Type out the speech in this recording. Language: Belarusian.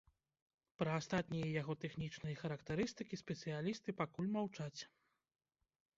Пра астатнія яго тэхнічныя характарыстыкі спецыялісты пакуль маўчаць.